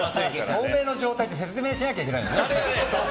透明な状態って説明しなきゃいけないんだね。